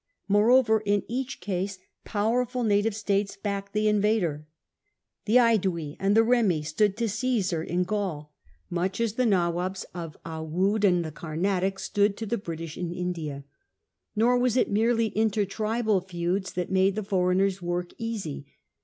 Moreover, in each case powerful native states backed the invader. The Aedui and the Kemi stood to Cmsar in Gaul much as the Nawabs of Oude and the Carnatic stood to the British in India. Hor was it merely inter tribal feuds that made the foreigner's work easy.